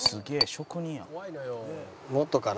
職人やん」